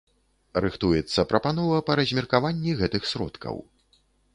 Рыхтуецца прапанова па размеркаванні гэтых сродкаў.